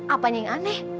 apanya yang aneh